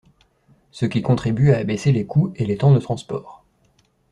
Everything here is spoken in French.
Ce qui contribue à abaisser les coûts et les temps de transport.